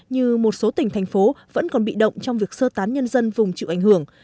như một số tỉnh thành phố vẫn còn bị động trong việc sơ tán nhân dân vùng chịu ảnh hưởng